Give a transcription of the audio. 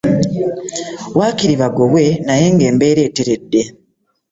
Waakiri bagobwe naye ng'embeera eteredde.